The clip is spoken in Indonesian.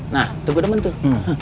nah tuh gue demen tuh